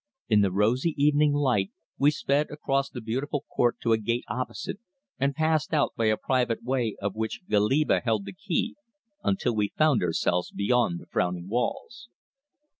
In the rosy evening light we sped across the beautiful court to a gate opposite, and passed out by a private way of which Goliba held the key until we found ourselves beyond the frowning walls.